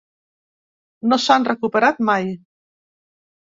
No s’han recuperat mai.